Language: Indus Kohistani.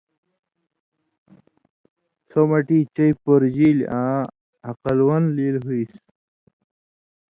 سُو مَٹی چَئی پُورژیلیۡ آں ہقل وَن لِیل ہُوئسیۡ،